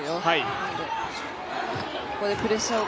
なのでここでプレッシャーを。